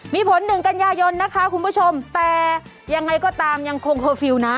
มีผลหนึ่งกันยาทยนต์นะคะคุณผู้ชมแต่ยังไงก็ตามยังคงเพาตรวมนะ